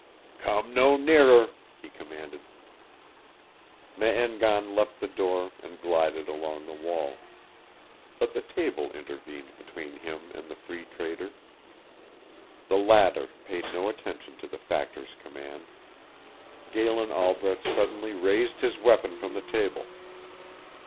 "Come no nearer," he commanded. Me en gan left the door and glided along the wall. But the table intervened between him and the Free Trader. The latter paid no attention to the Factor's command. Galen Albret suddenly raised his weapon from the table.